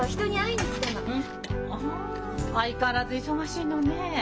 うん。相変わらず忙しいのねえ。